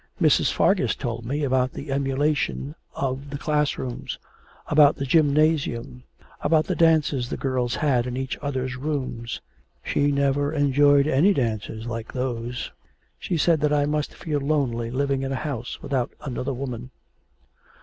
Mrs. Fargus told me about the emulation of the class rooms, about the gymnasium, about the dances the girls had in each other's rooms. She never enjoyed any dances like those. She said that I must feel lonely living in a house without another woman.'